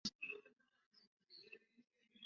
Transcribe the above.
异叶虎耳草为虎耳草科虎耳草属下的一个种。